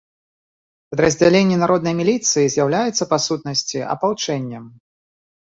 Падраздзялення народнай міліцыя з'яўляюцца, па сутнасці, апалчэннем.